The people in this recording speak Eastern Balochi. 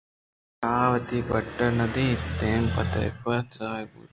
پمیشا آئے وتی بڈّ ءَ نادینت ءُ دیم پہ تیاب ءَ رَہادگ بُوت